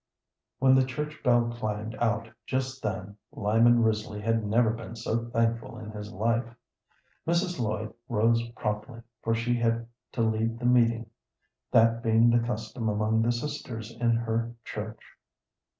When the church bell clanged out just then Lyman Risley had never been so thankful in his life. Mrs. Lloyd rose promptly, for she had to lead the meeting, that being the custom among the sisters in her church.